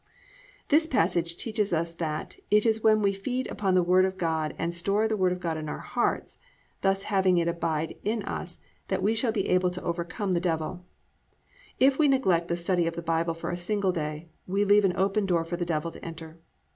"+ This passage teaches us that, _it is when we feed upon the Word of God and store the Word of God in our hearts, thus having it abiding in us, that we shall be able to overcome the Devil_. If we neglect the study of the Bible for a single day, we leave an open door for the Devil to enter.